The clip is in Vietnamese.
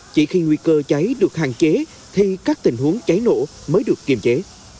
chỉ khi nguy cơ cháy được hạn chế thì các tình huống cháy nổ mới được kiềm chế